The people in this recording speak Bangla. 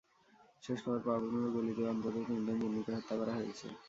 শেষ খবর পাওয়া পর্যন্ত গুলিতে অন্তত তিনজন জিম্মিকে হত্যা করা হয়েছে।